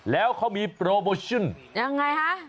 แล้วเขามีโปรโมชั่นยังไงคะ